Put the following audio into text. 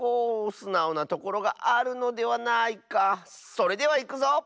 それではいくぞ！